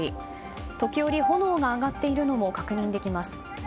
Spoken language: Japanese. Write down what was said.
時折、炎が上がっているのも確認できます。